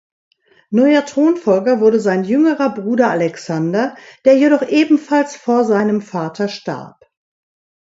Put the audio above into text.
Neuer Thronfolger wurde sein jüngerer Bruder Alexander, der jedoch ebenfalls vor seinem Vater starb.